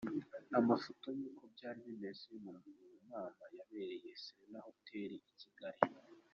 Amafoto yuko byari bimeze mu nama yabereye Serena Hotel i Kigali.